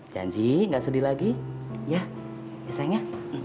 janji ga sedih lagi ya ya sayangnya